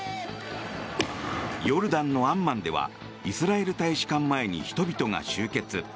ヨルダンのアンマンではイスラエル大使館前に人々が集結。